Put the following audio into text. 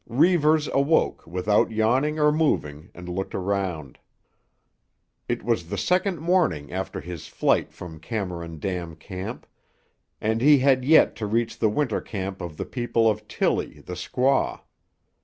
Reivers awoke without yawning or moving and looked around. It was the second morning after his flight from Cameron Dam Camp, and he had yet to reach the Winter camp of the people of Tillie the squaw.